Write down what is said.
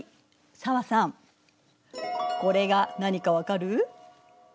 紗和さんこれが何か分かる？